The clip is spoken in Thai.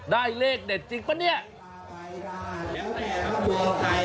ได้เลขเด็ดจริงปะเนี่ย